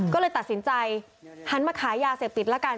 ก็เลยตัดสินใจหันมาขายยาเสพติดละกัน